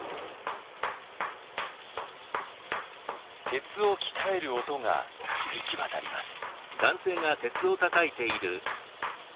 鉄を鍛える音が響き渡ります。